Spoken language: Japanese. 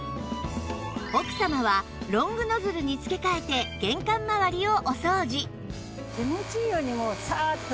奥様はロングノズルに付け替えて玄関まわりをお掃除